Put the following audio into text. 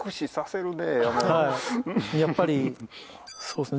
やっぱりそうですね